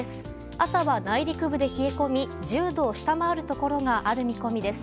朝は内陸部で冷え込み１０度を下回るところがある見込みです。